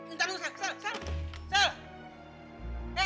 ntar dulu sal sel sel